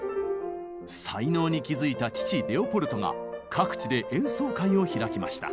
才能に気付いた父レオポルトが各地で演奏会を開きました。